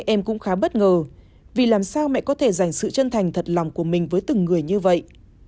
em cũng khá bất ngờ vì làm sao mẹ có thể dành sự chân thành thật lòng của mình với từng người như vậy